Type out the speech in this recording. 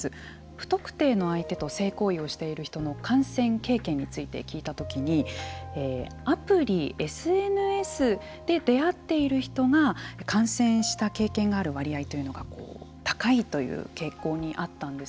不特定の相手と性行為をしている人の感染経験について聞いたときにアプリ、ＳＮＳで出会っている人が感染した経験がある割合というのが高いという傾向にあったんです。